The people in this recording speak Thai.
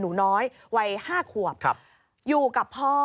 หนูน้อยวัย๕ขวบอยู่กับพ่อ